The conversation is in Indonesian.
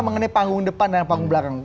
mengenai panggung depan dan panggung belakang